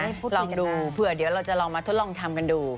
ลองดูเผื่อเดี๋ยวเราจะลองมาทดลองทำกันดู